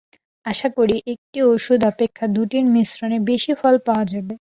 আশা করি, একটি ঔষধ অপেক্ষা দুটির মিশ্রণে বেশী ফল পাওয়া যাবে।